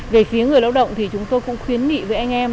về phía người lao động thì chúng tôi cũng khuyến nghị với anh em